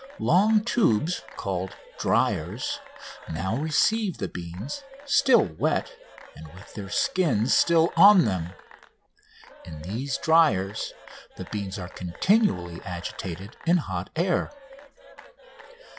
Long tubes, called "dryers," now receive the beans, still wet, and with their skins still on them. In these dryers the beans are continually agitated in hot air.